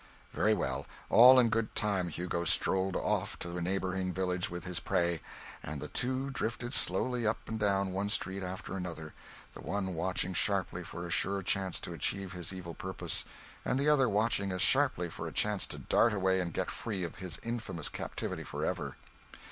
Very well. All in good time Hugo strolled off to a neighbouring village with his prey; and the two drifted slowly up and down one street after another, the one watching sharply for a sure chance to achieve his evil purpose, and the other watching as sharply for a chance to dart away and get free of his infamous captivity for ever.